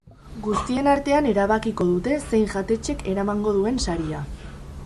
Guztien artean erabakiko dute zein jatetxek eramango duen saria.